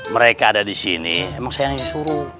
mereka ada disini emang saya yang disuruh